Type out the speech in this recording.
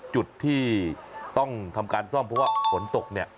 จุดที่ต้องทำการซ่อมเพราะว่าฝนตกเนี่ย